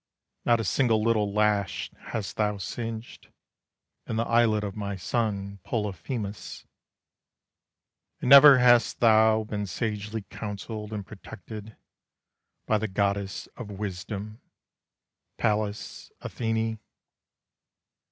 Not a single little lash hast thou singed In the eyelid of my son Polyphemus; And never hast thou been sagely counselled and protected By the goddess of wisdom, Pallas Athene."